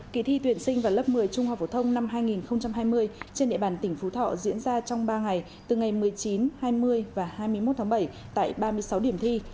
kỳ thi tuyển sinh vào lớp một mươi trung học phổ thông năm hai nghìn hai mươi trên địa bàn tỉnh phú thọ diễn ra trong ba ngày từ ngày một mươi chín hai mươi và hai mươi một tháng bảy tại ba mươi sáu điểm thi